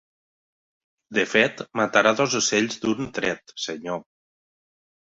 De fet, matarà dos ocells d'un tret, senyor.